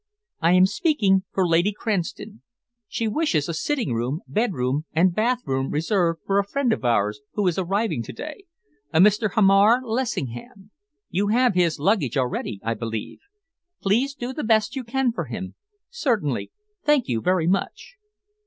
I am speaking for Lady Cranston. She wishes a sitting room, bedroom and bath room reserved for a friend of ours who is arriving to day a Mr. Hamar Lessingham. You have his luggage already, I believe. Please do the best you can for him. Certainly. Thank you very much."